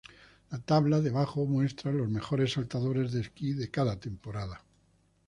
La tabla debajo muestra los mejores saltadores de esquí de cada temporada.